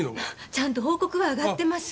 ちゃんと報告は上がってます。